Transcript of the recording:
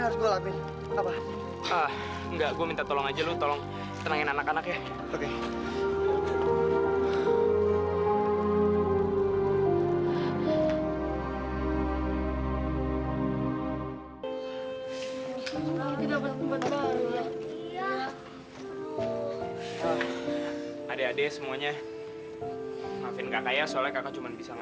sampai jumpa di video selanjutnya